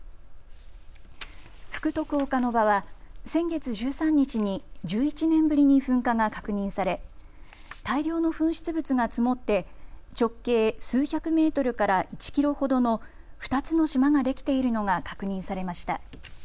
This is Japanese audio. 福徳岡ノ場は先月１３日に１１年ぶりに噴火が確認され大量の噴出物が積もって直径数百メートルから１キロほどの２つの島ができているのが確認されました。